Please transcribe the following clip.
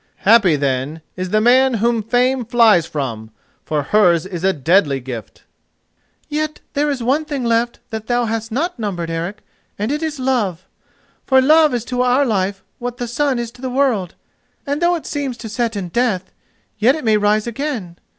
Happy, then, is the man whom fame flies from, for hers is a deadly gift." "Yet there is one thing left that thou hast not numbered, Eric, and it is love—for love is to our life what the sun is to the world, and, though it seems to set in death, yet it may rise again.